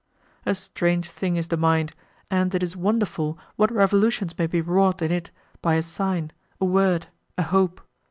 A strange thing is the mind, and it is wonderful what revolutions may be wrought in it by a sign, a word, a hope.